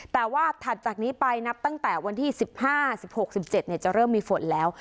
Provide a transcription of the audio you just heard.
แต่ว่าถัดจากนี้ไปนับตั้งแต่วันที่๑๕๑๖๑๗จะเริ่มมีฝนแล้ว